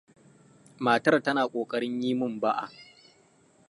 Matar tana kokarin yi min ba'a?